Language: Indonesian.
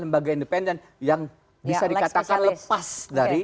lembaga independen yang bisa dikatakan lepas dari